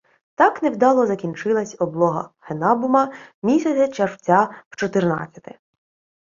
Так невдало закінчилась облога Генабума місяця червця в чотирнадцяте.